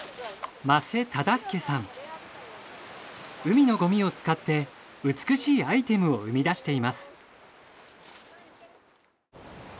海のごみを使って美しいアイテムを生み出しています。